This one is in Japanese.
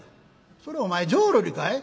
「それお前浄瑠璃かい？」。